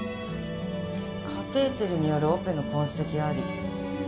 カテーテルによるオペの痕跡あり。